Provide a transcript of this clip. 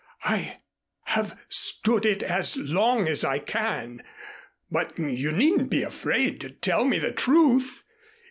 I have stood it as long as I can, but you needn't be afraid to tell me the truth.